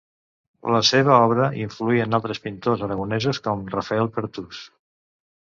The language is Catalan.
La seua obra influí en altres pintors aragonesos com Rafael Pertús.